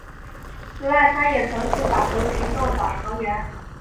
此外他也曾是法国群众党成员。